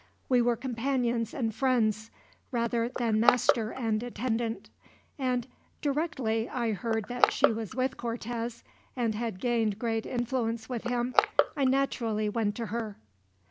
We were companions and friends, rather than master and attendant; and directly I heard that she was with Cortez, and had gained great influence with him, I naturally went to her."